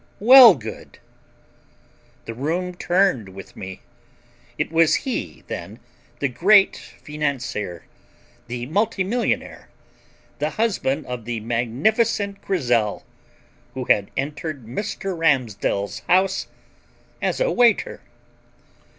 Wellgood! The room turned with me. It was he, then, the great financier, the multimillionaire, the husband of the magnificent Grizel, who had entered Mr. Ramsdell's house as a waiter!